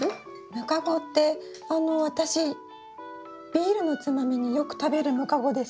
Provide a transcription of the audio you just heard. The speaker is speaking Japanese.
ムカゴってあのビールのつまみによく食べるムカゴですか？